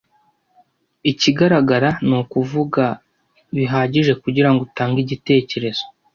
Ikigaragara; ni ukuvuga, bihagije kugirango utange igitekerezo